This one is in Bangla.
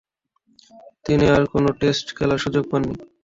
তিনি আর কোন টেস্ট খেলার সুযোগ পাননি।